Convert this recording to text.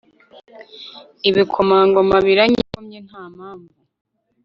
ibikomangoma biranyikomye nta mpamvu